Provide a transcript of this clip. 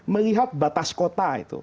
melihat batas kota itu